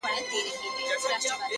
خو د نوکانو په سرونو کي به ځان ووينم;